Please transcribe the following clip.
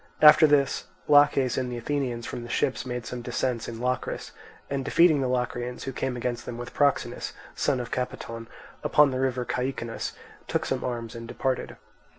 After this, Laches and the Athenians from the ships made some descents in Locris, and defeating the Locrians, who came against them with Proxenus, son of Capaton, upon the river Caicinus, took some arms and departed.